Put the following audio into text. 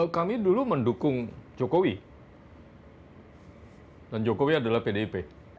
kami dulu mendukung jokowi dan jokowi adalah pdip